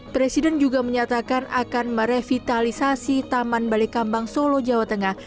presiden juga menyatakan akan merevitalisasi taman balai kambang solo jawa tengah